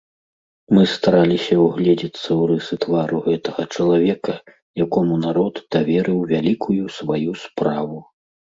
Мы стараліся ўгледзецца ў рысы твару гэтага чалавека, якому народ даверыў вялікую сваю справу.